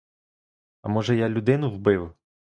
А може, я людину вбив?